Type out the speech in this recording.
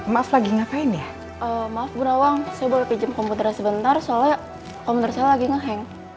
maaf lagi ngapain ya maaf gue rawang saya boleh pijam komputer sebentar soalnya komputer saya lagi ngeheng